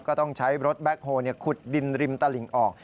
ก็ต้องใช้รถแบ็คโฮลขุดดินริมตลิ่งออก